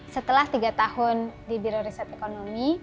setelah tiga tahun di biro riset ekonomi